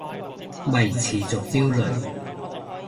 咪持續焦慮